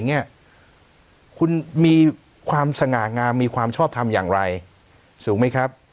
เนี่ยคุณมีความสง่างามมีความชอบทำอย่างไรถูกไหมครับ